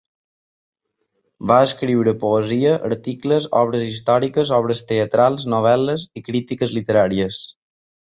Va escriure poesia, articles, obres històriques, obres teatrals, novel·les i crítiques literàries.